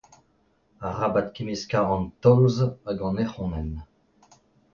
Arabat kemmeskañ an tolz hag an ec'honenn.